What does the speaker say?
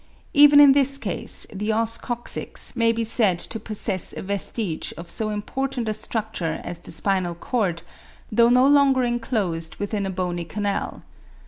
Even in this case the os coccyx may be said to possess a vestige of so important a structure as the spinal cord, though no longer enclosed within a bony canal.